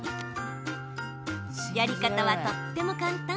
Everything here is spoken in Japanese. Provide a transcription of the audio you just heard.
やり方はとっても簡単。